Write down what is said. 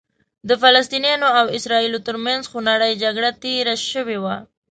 د فلسطینیانو او اسرائیلو ترمنځ خونړۍ جګړه تېره شوې وه.